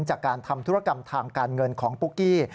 จากการทำธุรกรรมทางการเงินของปุ๊กกี้